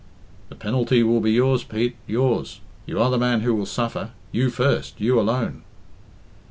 "The penalty will be yours, Pete yours. You are the man who will suffer you first you alone."